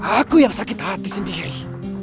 aku yang sakit hati sendiri